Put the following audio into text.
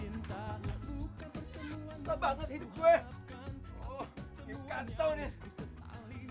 iya bosan dengan abang ngomongnya begitu terus